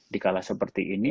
dikalah seperti ini